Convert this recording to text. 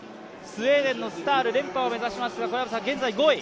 スウェーデンのスタール連覇を目指しますが、現在５位。